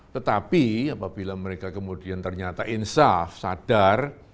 tetapi apabila mereka kemudian ternyata insaf sadar